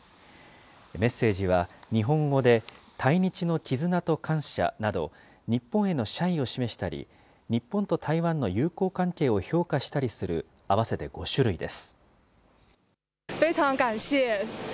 メッセージは日本語で、台日の絆と感謝など、日本への謝意を示したり、日本と台湾の友好関係を評価したりする合わせて５種類です。